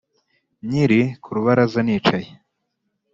nkiri ku rubaraza nicaye;